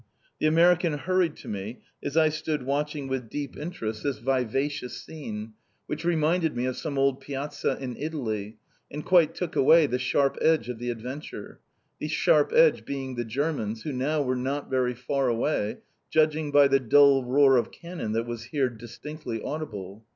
The American hurried to me, as I stood watching with deep interest this vivacious scene, which reminded me of some old piazza in Italy, and quite took away the sharp edge of the adventure the sharp edge being the Germans, who now were not very far away, judging by the dull roar of cannon that was here distinctly audible.